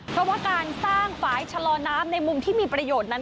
เพราะว่าการสร้างฝ่ายชะลอน้ำในมุมที่มีประโยชน์นั้น